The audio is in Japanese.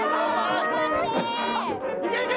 いけいけ。